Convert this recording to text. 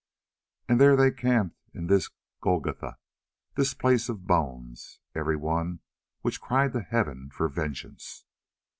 And there they camped in this Golgotha, this place of bones, every one of which cried to heaven for vengeance.